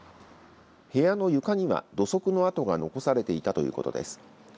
部屋の床には土足の痕が残されていたということです。